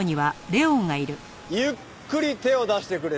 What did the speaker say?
ゆっくり手を出してくれる？